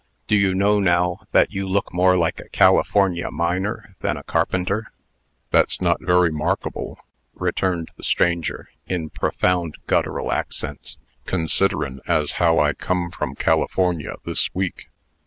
Do you know, now, that you look more like a California miner than a carpenter?" "That's not very 'markable," returned the stranger, in profound guttural accents, "considerin' as how I come from California this week."